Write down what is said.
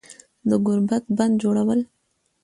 د گوربت بندجوړول